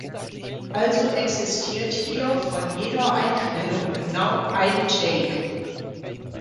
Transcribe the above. Also existiert hier von jeder Einstellung genau ein Take.